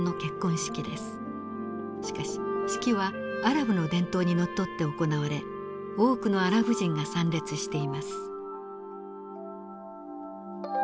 しかし式はアラブの伝統にのっとって行われ多くのアラブ人が参列しています。